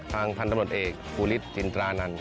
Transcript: ทางพันธมศ์ตำรวจเอกฟูริสต์จินตรานั่น